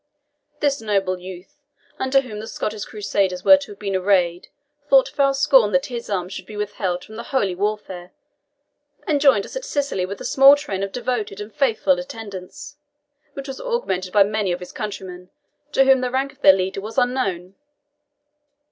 This noble youth, under whom the Scottish Crusaders were to have been arrayed, thought foul scorn that his arm should be withheld from the holy warfare, and joined us at Sicily with a small train of devoted and faithful attendants, which was augmented by many of his countrymen to whom the rank of their leader was unknown.